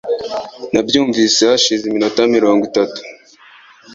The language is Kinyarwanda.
Nabyumvise hashize iminota mirongo itatu